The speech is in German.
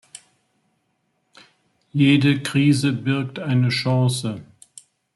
Jede Krise birgt eine Chance.